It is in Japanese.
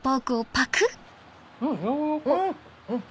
うん軟らかい。